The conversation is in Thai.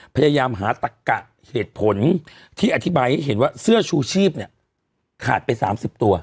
พยายามหาตักกะเหตุผลที่อธิบายให้เห็นว่าเสื้อชูชีพเนี่ยขาดไป๓๐ตัว